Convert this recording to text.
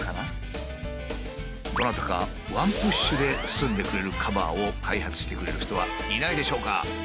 どなたかワンプッシュで包んでくれるカバーを開発してくれる人はいないでしょうか？